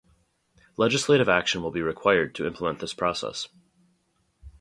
Legislative action will be required to implement this process.